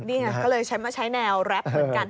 นี่ค่ะก็เลยใช้แนวแรปเหมือนกัน